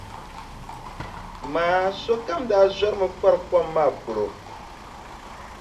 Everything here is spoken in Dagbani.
Maa sokam daa zɔrimi kpari kom maa polo.